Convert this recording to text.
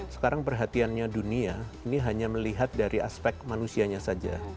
sekarang perhatiannya dunia ini hanya melihat dari aspek manusianya saja